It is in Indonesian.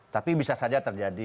tapi bisa saja terjadi